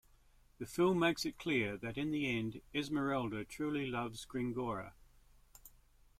The film makes it clear that in the end Esmeralda truly loves Gringoire.